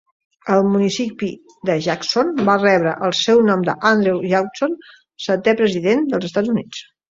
El municipi de Jackson va rebre el seu nom d'Andrew Jackson, setè president dels Estats Units.